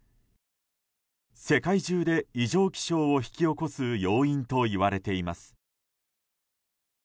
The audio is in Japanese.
世界中で異常気象を引き起こす要因といわれています。